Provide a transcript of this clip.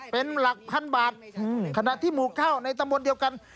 เป็นหลักพันบาทขณะที่หมู่๙ในตำบลเดียวกัน